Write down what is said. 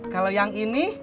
kalau yang ini